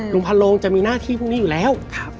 พันโรงจะมีหน้าที่พวกนี้อยู่แล้ว